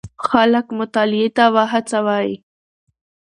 خلک مطالعې ته وهڅوئ.